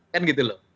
kan gitu loh